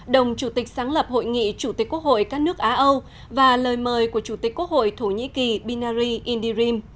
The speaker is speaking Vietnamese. đồng chủ tịch sáng lập hội nghị chủ tịch quốc hội các nước á âu và lời mời của chủ tịch quốc hội thổ nhĩ kỳ binari indirim